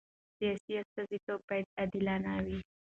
سیاسي استازیتوب باید عادلانه وي